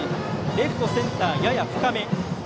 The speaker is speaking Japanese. レフト、センターやや深め。